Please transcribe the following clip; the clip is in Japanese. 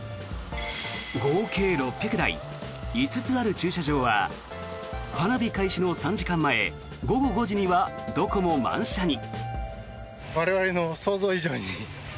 合計６００台５つある駐車場は花火開始の３時間前午後５時にはどこも満車に。